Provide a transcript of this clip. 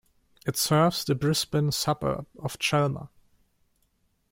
It serves the Brisbane suburb of Chelmer.